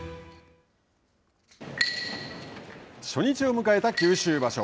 初日を迎えた九州場所。